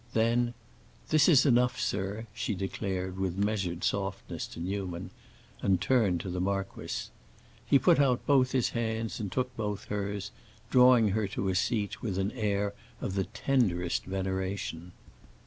Then, "This is enough, sir," she declared with measured softness to Newman, and turned to the marquis. He put out both his hands and took both hers, drawing her to a seat with an air of the tenderest veneration.